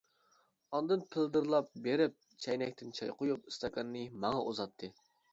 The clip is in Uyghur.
ئاندىن پىلدىرلاپ بېرىپ چەينەكتىن چاي قۇيۇپ ئىستاكاننى ماڭا ئۇزاتتى.